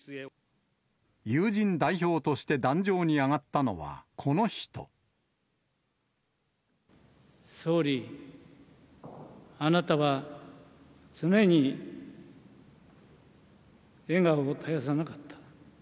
友人代表として壇上に上がったの総理、あなたは常に笑顔を絶やさなかった。